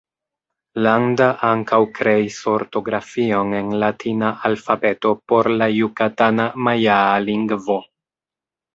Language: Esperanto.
Landa ankaŭ kreis ortografion en latina alfabeto por la jukatana majaa lingvo.